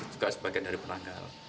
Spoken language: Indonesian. juga sebagian dari peranggal